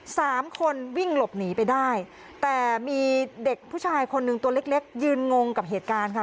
สามคนวิ่งหลบหนีไปได้แต่มีเด็กผู้ชายคนหนึ่งตัวเล็กเล็กยืนงงกับเหตุการณ์ค่ะ